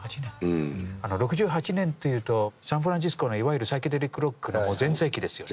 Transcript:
６８年というとサンフランシスコのいわゆるサイケデリック・ロックの全盛期ですよね。